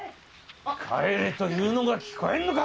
帰れというのが聞こえぬのか！